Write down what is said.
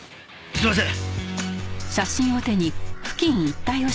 すいません。